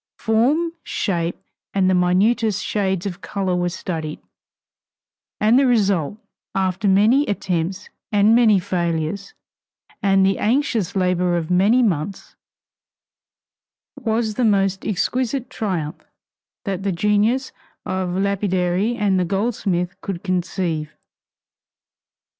Form, shape, and the minutest shades of color were studied, and the result, after many attempts and many failures, and the anxious labor of many months, was the most exquisite triumph that the genius of the lapidary and the goldsmith could conceive.